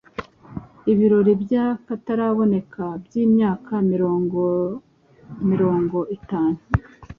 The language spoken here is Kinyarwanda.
ibirori by'akataraboneka by'imyaka mirongo mirongo itanu